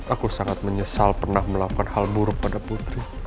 aku sangat menyesal pernah melakukan hal buruk pada putri